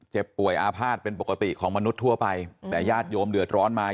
เจ็บป่วยอาภาษณ์เป็นปกติของมนุษย์ทั่วไปแต่ญาติโยมเดือดร้อนมา